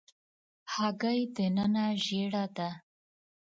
هګۍ دننه ژېړه ده.